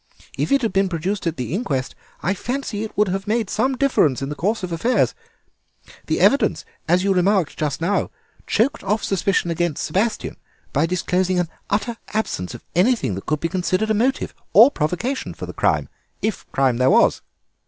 If it had been produced at the inquest I fancy it would have made some difference in the course of affairs. The evidence, as you remarked just now, choked off suspicion against Sebastien by disclosing an utter absence of anything that could be considered a motive or provocation for the crime, if crime there was."